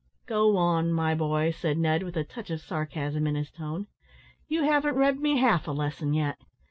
"Go on, my boy," said Ned, with a touch of sarcasm in his tone, "you haven't read me half a lesson yet.